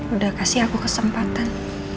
udah kasih aku kesempatan